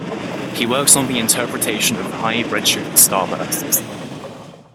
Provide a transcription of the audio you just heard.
He works on the interpretation of high redshift starbursts.